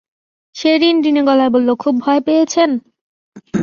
সে রিনারিনে গলায় বলল, খুব ভয় পেয়েছেন?